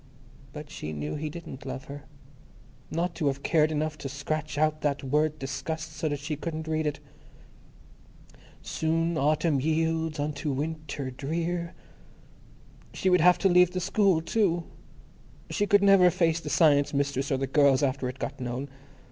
But she knew he didn't love her. Not to have cared enough to scratch out that word "disgust," so that she couldn't read it! Soon Autumn yields unto Winter Drear. She would have to leave the school, too. She could never face the Science Mistress or the girls after it got known.